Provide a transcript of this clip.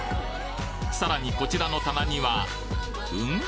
さらにこちらの棚にはん？